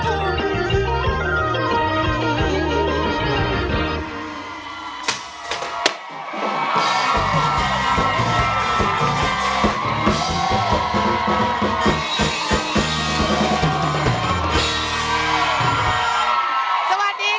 เพื่อพลังสะท้าของคนลูกทุก